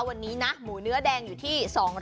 วันนี้นะหมูเนื้อแดงอยู่ที่๒๐๐